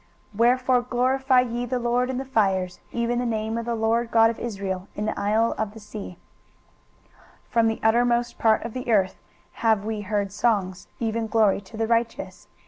23:024:015 Wherefore glorify ye the LORD in the fires, even the name of the LORD God of Israel in the isles of the sea. 23:024:016 From the uttermost part of the earth have we heard songs, even glory to the righteous.